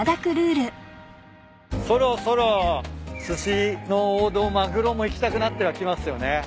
そろそろすしの王道マグロもいきたくなってはきますよね。